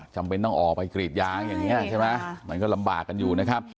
จำเป็นต้องออกไปกรีดยางอย่างนี้ใช่ไหมมันก็ลำบากกันอยู่นะครับ